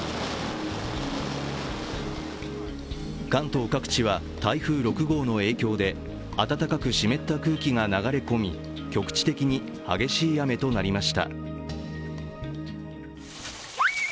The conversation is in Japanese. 関東各地は台風６号の影響であたたかく湿った空気が流れ込み、局地的に激しい雨となりました。